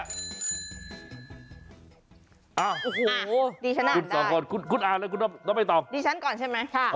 อ้าวคุณสองคนคุณอ่านเลยคุณน้องไม่ต้องอ่าดีฉันอ่านได้